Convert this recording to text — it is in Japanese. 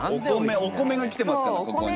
お米が来てますからここ。